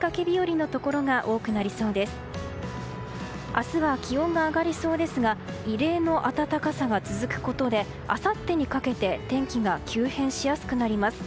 明日は気温が上がりそうですが異例の暖かさが続くことであさってにかけて天気が急変しやすくなります。